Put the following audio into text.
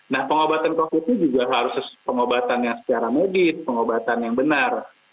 nah pengobatan covid nya juga harus pengobatan yang secara medis pengobatan yang benar